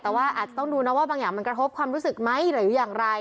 แต่ว่าอาจจะต้องดูนะว่าบางอย่างมันกระทบความรู้สึกไหมหรืออย่างไร